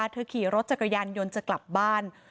เธอขี่รถจากกระยานยนต์จากกลับบ้าน